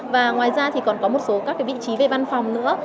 và ngoài ra thì còn có một số các vị trí về văn phòng nữa